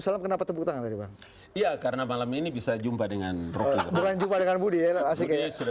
salam kenapa tepuk tangan iya karena malam ini bisa jumpa dengan berhenti dengan budi